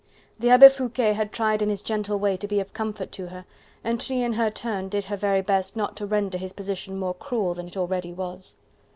The Abbe Foucquet had tried in his gentle way to be of comfort to her, and she in her turn did her very best not to render his position more cruel than it already was.